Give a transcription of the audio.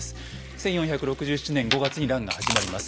１４６７年５月に乱が始まります。